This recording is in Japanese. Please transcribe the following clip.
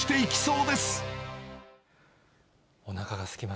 そう。